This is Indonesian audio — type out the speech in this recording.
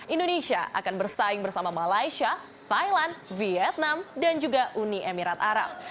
indonesia akan bersaing bersama malaysia thailand vietnam dan juga uni emirat arab